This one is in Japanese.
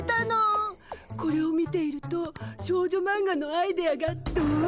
これを見ていると少女マンガのアイデアがどんどんわいてくるわ。